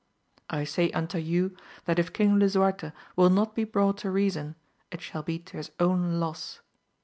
I say unto you that if King Lisuarte will not be brought to reason, it shall be to his own loss.